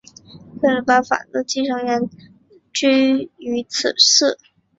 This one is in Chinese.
宗喀巴法座的继承人甘丹赤巴即居于此寺。